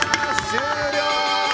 終了！